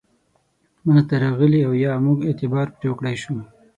منځته راغلي او یا موږ اعتبار پرې وکړای شو.